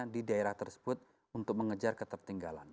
di daerah tersebut untuk mengejar ketertinggalan